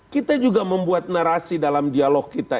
kita juga membuat narasi dalam dialog kita